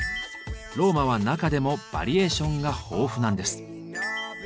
ローマは中でもバリエーションが豊富なんです。